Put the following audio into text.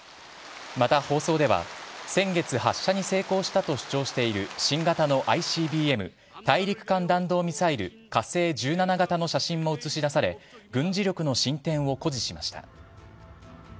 また、放送では先月、発射に成功したと主張している新型のＩＣＢＭ・大陸間弾道ミサイル、火星１７型の写真も映し出され、軍事力の進展を誇示しました。